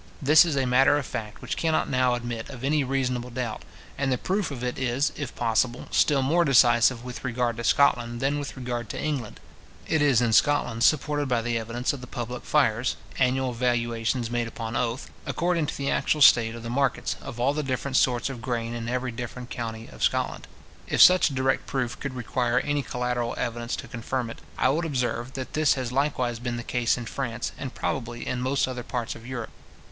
This is a matter of fact which cannot now admit of any reasonable doubt; and the proof of it is, if possible, still more decisive with regard to Scotland than with regard to England. It is in Scotland supported by the evidence of the public fiars, annual valuations made upon oath, according to the actual state of the markets, of all the different sorts of grain in every different county of Scotland. If such direct proof could require any collateral evidence to confirm it, I would observe, that this has likewise been the case in France, and probably in most other parts of Europe.